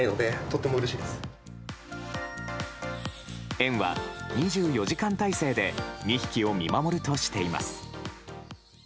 園は２４時間態勢で２匹を見守るとしています。